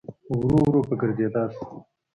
ورو ورو په ګرځېدا سو.